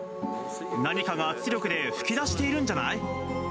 何かが圧力で噴き出しているんじゃない？